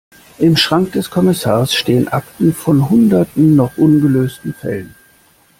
Im Schrank des Kommissars stehen Akten von hunderten noch ungelösten Fällen.